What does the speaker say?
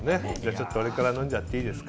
俺から飲んじゃっていいですか？